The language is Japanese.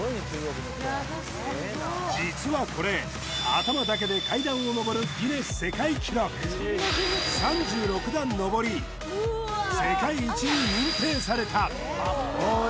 実はこれ頭だけで階段を上る３６段上り世界一に認定されたおい